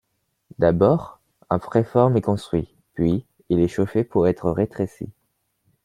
D'abord, un préforme est construit, puis il est chauffé pour être rétréci..